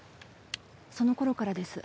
その頃からです